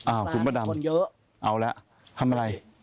อ้าวคุณพระดำเอาแล้วทำอะไรคุณพระดำมีคนเยอะ